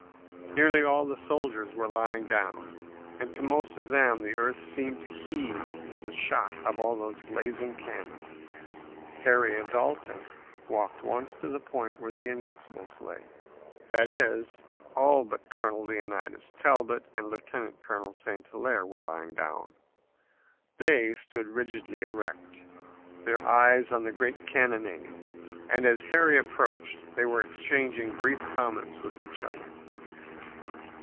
Nearly all the soldiers were lying down, and to most of them the earth seemed to heave with the shock of all those blazing cannon. Harry and Dalton walked once to the point where the Invincibles lay. That is, all but Colonel Leonidas Talbot and Lieutenant Colonel St. Hilaire were lying down. They stood rigidly erect, their eyes on the great cannonade, and as Harry approached they were exchanging brief comments with each other.